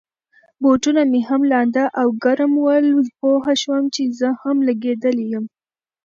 بوټونه مې هم لانده او ګرم ول، پوه شوم چي زه هم لګېدلی یم.